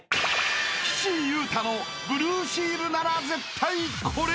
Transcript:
［岸優太のブルーシールなら絶対これ］